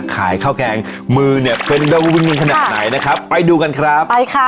ข้าวแกงมือเนี่ยเป็นดาวินขนาดไหนนะครับไปดูกันครับไปค่ะ